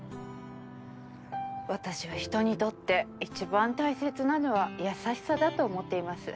私は人にとって一番大切なのは優しさだと思っています。